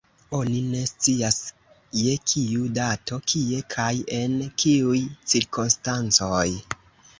Oni ne scias je kiu dato, kie kaj en kiuj cirkonstancoj.